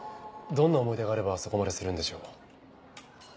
どんな思い出があればそこまでするんでしょう？